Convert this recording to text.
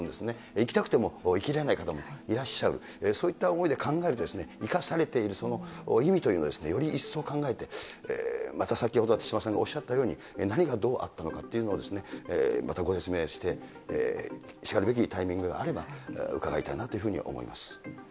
生きたくても生きられない方もいらっしゃる、そういった思いで考えると、生かされているその意味というのをより一層考えて、また先ほど、手嶋さんがおっしゃったように、何がどうあったのかというのをまたご説明して、しかるべきタイミングがあれば、伺いたいなというふうに思います。